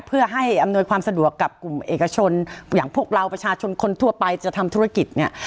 เพื่อให้อำนวยความสะดวกกับกลุ่มเอกชนอย่างพวกเราประชาชนคนทั่วไปจะทำธุรกิจเนี่ย